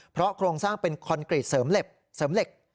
เพราะโครงสร้างเป็นคอนกรีตเสริมเหล็ก